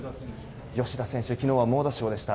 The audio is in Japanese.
吉田選手、昨日は猛打賞でした。